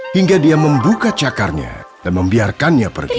hingga dia membuka cakarnya dan membiarkannya pergi